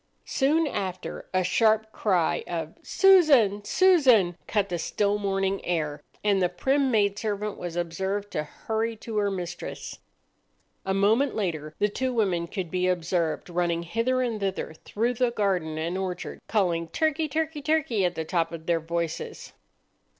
Soon after a sharp cry of "Susan! Susan!" cut the still morning air, and the prim maid servant was observed to hurry to her mistress. A moment later the two women could be observed running hither and thither through the garden and orchard, calling, "Turkey! turkey! turkey!" at the top of their voices.